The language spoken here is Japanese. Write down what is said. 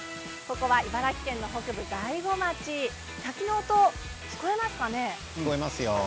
茨城県の北部大子町滝の音、聞こえますか？